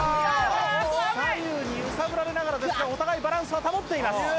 左右に揺さぶられながらですがお互いバランスは保っています。